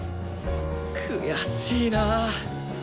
悔しいなぁ！